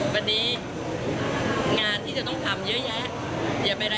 วันนี้งานที่จะต้องทำเยอะแยะ